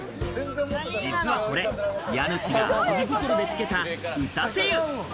実はこれ、家主が遊び心でつけた、打たせ湯。